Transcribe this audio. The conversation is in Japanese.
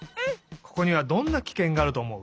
ここにはどんなきけんがあるとおもう？